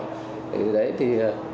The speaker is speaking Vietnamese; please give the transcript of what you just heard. thì đấy thì